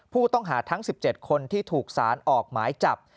ผู้ต้องหาทั้ง๑๗คนที่ถูกสารออกหมายจับ